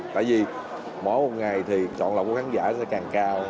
tại vì mỗi một ngày thì chọn lọc của khán giả sẽ càng cao